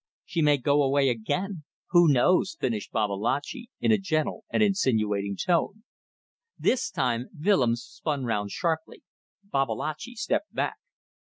"She may go away again. Who knows?" finished Babalatchi, in a gentle and insinuating tone. This time Willems spun round sharply. Babalatchi stepped back.